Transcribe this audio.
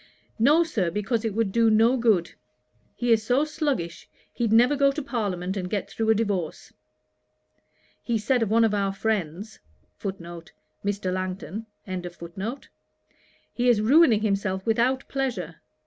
'No, Sir; because it would do no good: he is so sluggish, he'd never go to parliament and get through a divorce.' He said of one of our friends, 'He is ruining himself without pleasure.